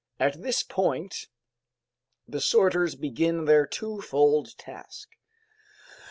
At this point the sorters begin their twofold task.